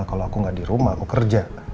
kalau aku gak di rumah aku kerja